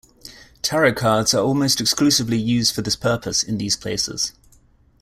Tarot cards are almost exclusively used for this purpose in these places.